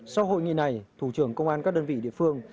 sau hội nghị này thủ trưởng công an các đơn vị địa phương